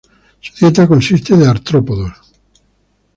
Su dieta consiste de artrópodos.